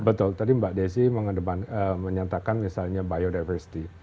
betul tadi mbak desi menyatakan misalnya biodiversity